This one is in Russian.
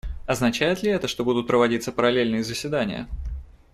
Означает ли это, что будут проводиться параллельные заседания?